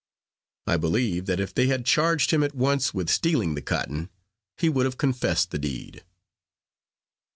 I believe, that if they had charged him at once with stealing the cotton, he would have confessed the deed.